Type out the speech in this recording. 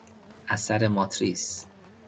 اثر ماتریس